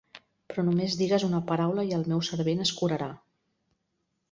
Però només digues una paraula i el meu servent es curarà.